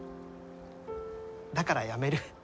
だからやめる。